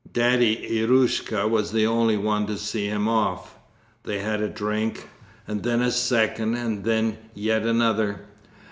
Daddy Eroshka was the only one to see him off. They had a drink, and then a second, and then yet another.